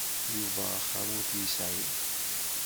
Yuba axxam ur t-yesεi.